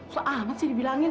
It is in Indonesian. seamat sih dibilangin